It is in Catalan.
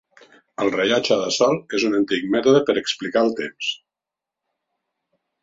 El rellotge de sol és un antic mètode per explicar el temps.